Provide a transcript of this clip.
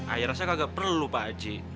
akhirnya saya kagak perlu pak haji